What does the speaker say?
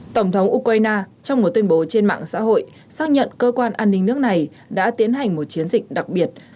tổng thống ukraine trong một tuyên bố trên mạng xã hội xác nhận cơ quan an ninh nước này đã tiến hành một chiến dịch đặc biệt